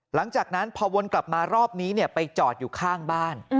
หลังจากนั้นพอวนกลับมารอบนี้ไปจอดอยู่ข้างบ้าน